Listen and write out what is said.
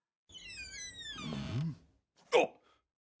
あっ！？